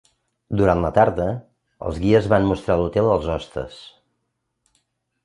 Durant la tarda, els guies van mostrar l'hotel als hostes.